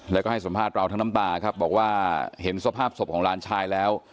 แล้วก็ให้สัมภาษณ์เราทั้งน้ำตาครับบอกว่าเห็นสภาพศพของหลานชายแล้ว